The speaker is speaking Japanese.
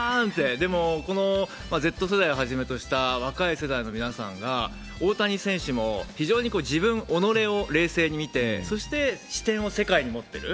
でも、このＺ世代をはじめとした若い世代の皆さんが、大谷選手も非常に自分、おのれを冷静に見て、そして視点を世界に持ってる。